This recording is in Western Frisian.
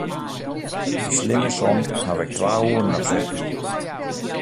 Dy slimme som haw ik twa oeren op sitten.